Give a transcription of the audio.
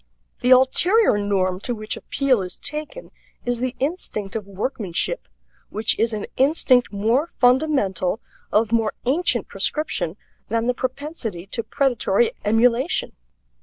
The ulterior norm to which appeal is taken is the instinct of workmanship, which is an instinct more fundamental, of more ancient prescription, than the propensity to predatory emulation.